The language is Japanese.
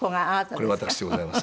これ私でございます。